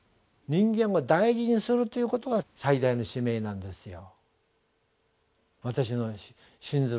人間を大事にするということが最高のスタンダードなんですよ。